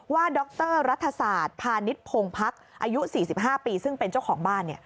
ว่าดรรัฐศาสตร์ธานิดพงภักดิ์อายุ๔๕ปีซึ่งเป็นเจ้าของบ้าน